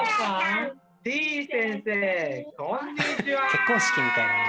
結婚式みたいだな。